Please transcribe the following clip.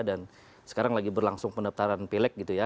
dan sekarang lagi berlangsung pendaftaran pilek gitu ya